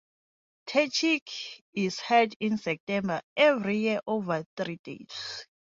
Techniche is held in September every year over three days.